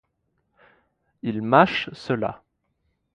Ils mâchent cela.